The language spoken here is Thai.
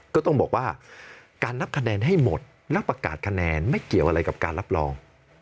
ก็ต้องบอกว่าการนับคะแนนให้หมดแล้วประกาศคะแนนไม่เกี่ยวอะไรกับการรับรอง